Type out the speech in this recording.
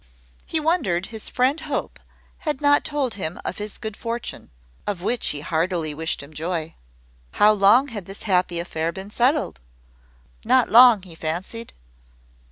He wondered his friend Hope had not told him of his good fortune, of which he heartily wished him joy. How long had this happy affair been settled? Not long, he fancied?